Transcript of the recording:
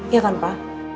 iya kan pak